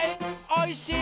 おいしい